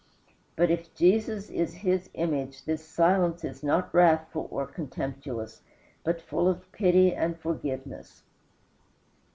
But if Jesus is his image this silence is not wrathful or contemptuous, but full of pity and forgiveness.